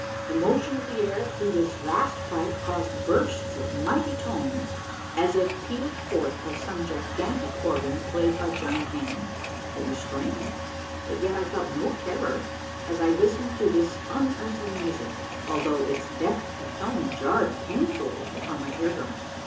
The motion of the air through this vast pipe caused bursts of mighty tones as if peeled forth by some gigantic organ played by giant hands. It was strange, but yet I felt no terror as I listened to this unearthly music, although its depth of tone jarred painfully upon my ear drums.